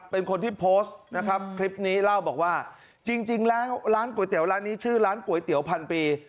เป็นคนที่โพสต์นะครับคลิปนี้เล่าบอกว่าจริงแล้วร้านก๋วยเตี๋ยวร้านนี้ชื่อร้านก๋วยเตี๋ยวพันปี